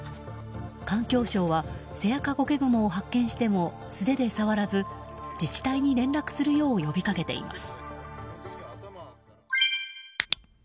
環境省はセアカゴケグモを発見しても素手で触らず、自治体に連絡するよう呼びかけています。